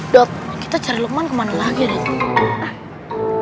dok kita cari lukman ke mana lagi dek